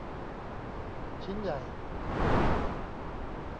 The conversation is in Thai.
ชิ้นใหญ่